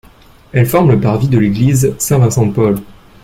Elle forme le parvis de l'église Saint-Vincent-de-Paul.